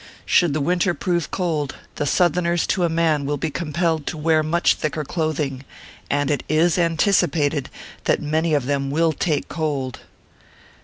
Should the winter prove cold, the Southerners to a man will be compelled to wear much thicker clothing, and it is anticipated that many of them will take cold.